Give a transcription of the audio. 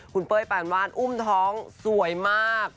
คุณเป้ยปานวาดอุ้มท้องสวยมาก